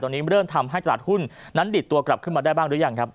ตอนนี้เริ่มทำให้ตลาดหุ้นนั้นดิดตัวกลับขึ้นมาได้บ้างหรือยังครับ